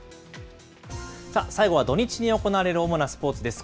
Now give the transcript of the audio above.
さあ、最後は土日に行われる主なスポーツです。